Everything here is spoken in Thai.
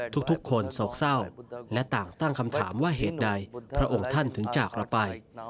ทุกคนโศกเศร้าและต่างตั้งคำถามว่าเหตุใดพระองค์ท่านถึงจากเราไป